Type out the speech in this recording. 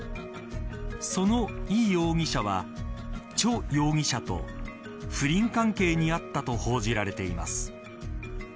そのイ容疑者はチョ容疑者と不倫関係にあったと報じられています。